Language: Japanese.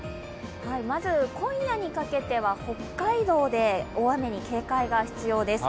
まず今夜にかけては、北海道で大雨に警戒が必要です。